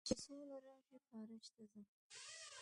چې سوله راشي خارج ته ځم